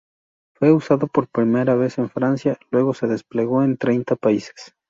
Fue usado por primera vez en Francia, luego se desplegó en treinta países.